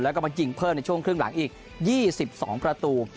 แล้วก็มายิงเพิ่มในช่วงครึ่งหลังอีก๒๒ประตู